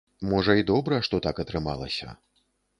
Можа, і добра, што так атрымалася.